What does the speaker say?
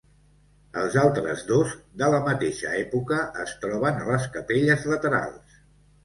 Els altres dos, de la mateixa època, es troben a les capelles laterals.